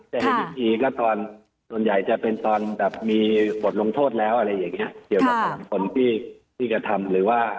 แต่ในพิธีก็ตอนส่วนใหญ่จะเป็นตอนแบบมีบทลงโทษแล้วอะไรอย่างเงี้ยเกี่ยวกับคนที่ที่กระทำหรือว่า